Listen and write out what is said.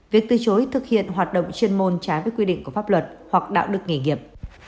việc từ chối thực hiện hoạt động chuyên môn trái với quy định của pháp luật hoặc đạo đức nghề nghiệp